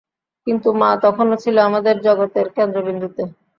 কিন্তু মা তখনও ছিল আমাদের জগতের কেন্দ্রবিন্দুতে।